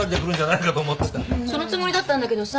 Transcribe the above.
そのつもりだったんだけどさ。